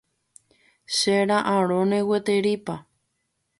Chera'ãrõne gueterípa.